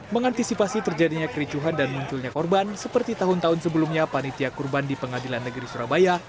mengantisipasi terjadinya kericuhan dan munculnya korban seperti tahun tahun sebelumnya panitia kurban di pengadilan negeri surabaya